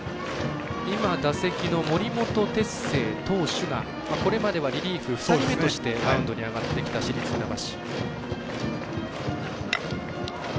今、打席の森本哲星投手がこれまではリリーフ２人目としてマウンドに上がってきた市立船橋。